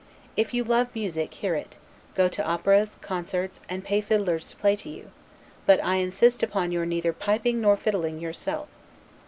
If you love music, hear it; go to operas, concerts, and pay fiddlers to play to you; but I insist upon your neither piping nor fiddling yourself.